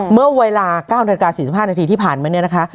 เมื่อเวลา๙นาฬิกา๔๕นาทีที่ผ่านมาเนี่ยนะคะ